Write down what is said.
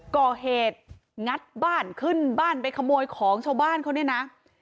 ก่อเหตุงัดบ้านขึ้นบ้านไปขโมยของชาวบ้านเขาเนี่ยนะ